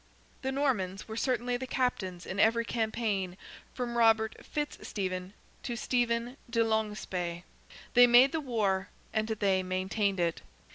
The Normans were certainly the captains in every campaign from Robert Fitzstephen to Stephen de Longespay. They made the war, and they maintained it.